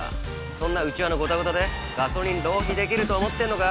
そんな内輪のゴタゴタでガソリン浪費できると思ってんのか？